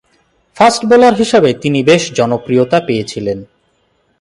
Fast bowler হিসেবে তিনি বেশ জনপ্রিয়তা পেয়েছিলেন।